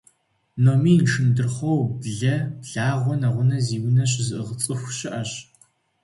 Номин, шындурхъуо, блэ, благъуэ, нэгъунэ зи унэ щызыӏыгъ цӏыху щыӏэщ.